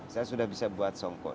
saya sudah bisa buat songkok